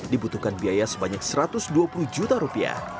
dibutuhkan biaya sebanyak satu ratus dua puluh juta rupiah